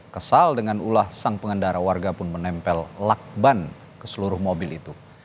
kesal dengan ulah sang pengendara warga pun menempel lakban ke seluruh mobil itu